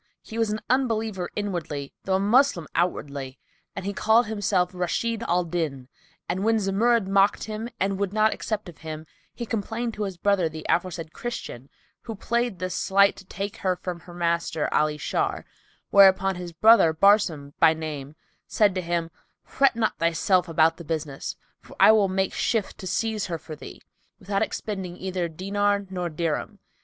He was an Unbeliever inwardly, though a Moslem outwardly, and had called himself Rashid al Din;[FN#290] and when Zumurrud mocked him and would not accept of him, he complained to his brother the aforesaid Christian who played this sleight to take her from her master Ali Shar; whereupon his brother, Barsum by name said to him, "Fret not thyself about the business, for I will make shift to seize her for thee, without expending either diner or dirham.